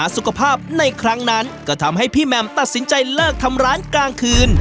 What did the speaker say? สุขภาพในครั้งนั้นก็ทำให้พี่แมมตัดสินใจเลิกทำร้านกลางคืน